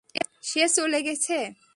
সে চলে গেছে?